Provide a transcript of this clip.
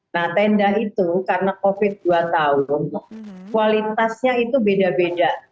nah tenda itu karena covid dua tahun kualitasnya itu beda beda